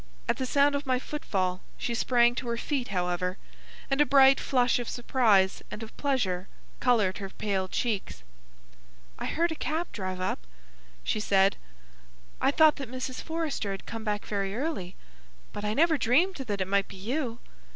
At the sound of my foot fall she sprang to her feet, however, and a bright flush of surprise and of pleasure coloured her pale cheeks. "I heard a cab drive up," she said. "I thought that Mrs. Forrester had come back very early, but I never dreamed that it might be you.